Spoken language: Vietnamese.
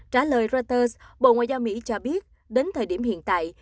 trả lời reuters bộ ngoại giao mỹ cho biết đến thời điểm hiện tại